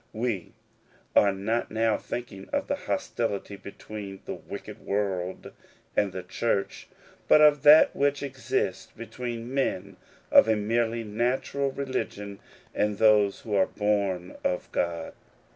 We are not now thinking of the hostility between the wicked world and the Church, but of that which exists between men of a merely natural religion and those who are bom of God.